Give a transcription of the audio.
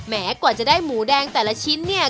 กว่าจะได้หมูแดงแต่ละชิ้นเนี่ย